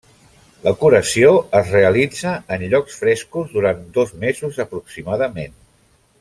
La curació es realitza en llocs frescos durant dos mesos aproximadament.